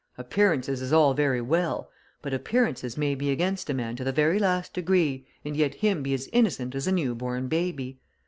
Appearances is all very well but appearances may be against a man to the very last degree, and yet him be as innocent as a new born baby!